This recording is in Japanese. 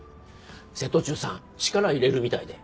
瀬戸中さん力入れるみたいで。